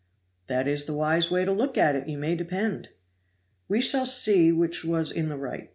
"That is the wise way to look at it, you may depend!" "We shall see which was in the right.